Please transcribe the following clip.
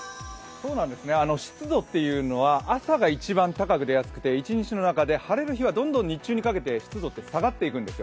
そうなんですね、湿度というのは朝が一番高く出やすくて一日の中で晴れる日はどんどん日中にかけて湿度って下がっていくんですよ。